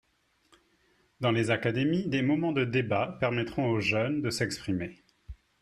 Dans les académies, des moments de débat permettront aux jeunes de s’exprimer.